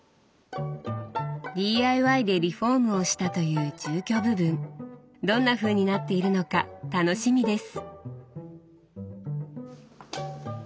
ＤＩＹでリフォームをしたという住居部分どんなふうになっているのか楽しみです。